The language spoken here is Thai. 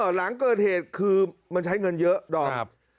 หลังเกิดเหตุคือมันใช้เงินเยอะดอม